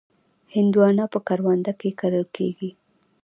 هندوانه په کرونده کې کرل کېږي.